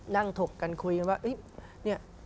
ถกกันคุยกันว่าเนี่ย